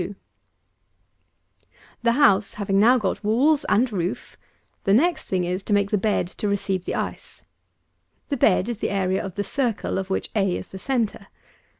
2. 247. The house having now got walls and roof, the next thing is to make the bed to receive the ice. This bed is the area of the circle of which a is the centre.